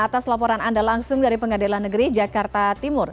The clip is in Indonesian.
atas laporan anda langsung dari pengadilan negeri jakarta timur